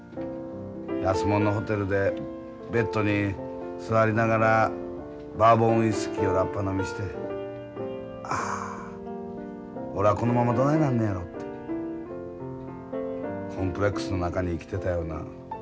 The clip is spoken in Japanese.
安もんのホテルでベッドに座りながらバーボンウイスキーをラッパ飲みしてああ俺はこのままどないなるのやろてコンプレックスの中に生きてたような。